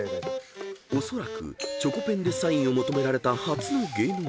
［おそらくチョコペンでサインを求められた初の芸能人］